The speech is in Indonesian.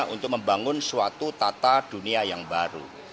untuk membangun suatu tata dunia yang baru